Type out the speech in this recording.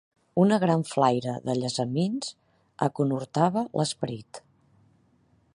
Una gran flaire de llessamins aconhortava l'esperit